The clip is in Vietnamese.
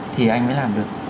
thì anh mới làm được